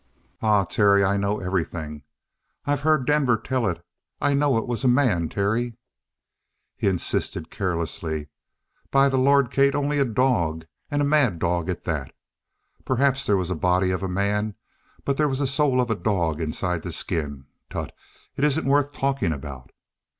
"Ah, Terry, I know everything. I've heard Denver tell it. I know it was a man, Terry." He insisted carelessly. "By the Lord, Kate, only a dog and a mad dog at that. Perhaps there was the body of a man, but there was the soul of a dog inside the skin. Tut! it isn't worth talking about."